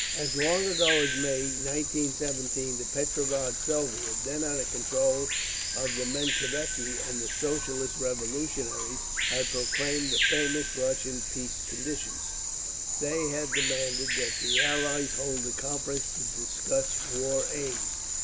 As long ago as May, 1917, the Petrograd Soviet, then under control of the Mensheviki and Socialist Revolutionaries, had proclaimed the famous Russian peace conditions. They had demanded that the Allies hold a conference to discuss war aims.